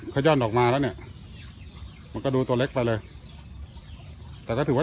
ขย่อนออกมาแล้วเนี่ยมันก็ดูตัวเล็กไปเลยแต่ถ้าถือว่า